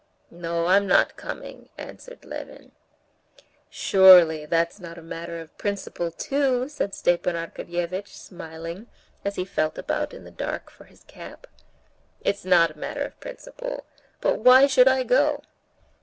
"No, I'm not coming," answered Levin. "Surely that's not a matter of principle too," said Stepan Arkadyevitch, smiling, as he felt about in the dark for his cap. "It's not a matter of principle, but why should I go?"